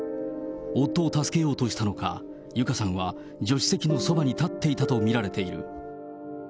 夫を助けようとしたのか、友香さんは助手席のそばに立っていたと見られる。